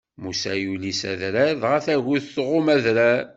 Musa yuli s adrar, dɣa tagut tɣumm adrar.